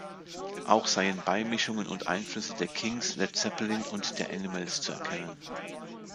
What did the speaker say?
Auch seien Beimischungen und Einflüsse der Kinks, Led Zeppelin und der Animals zu erkennen.